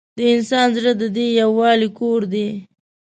د انسان زړه د دې یووالي کور دی.